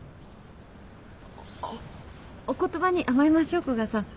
おっお言葉に甘えましょう古賀さん。